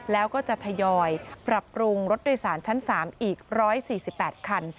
แล้วก็จะทยอยปรับปรุงรถโดยสารชั้น๓อีก๑๔๘คัน